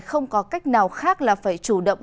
không có cách nào khác là phải chủ động